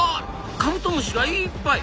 カブトムシがいっぱい！